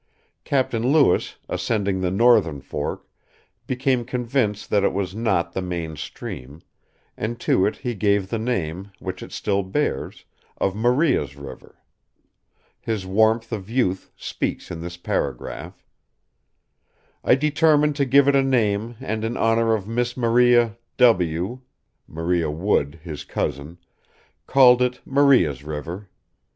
Captain Lewis, ascending the northern fork, became convinced that it was not the main stream; and to it he gave the name, which it still bears, of Maria's River. His warmth of youth speaks in this paragraph: "I determined to give it a name and in honour of Miss Maria W d [Maria Wood, his cousin] called it Maria's River.